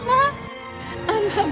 ini sejadah turki